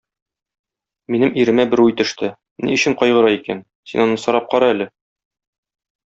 Минем иремә бер уй төште, ни өчен кайгыра икән, син аннан сорап кара әле.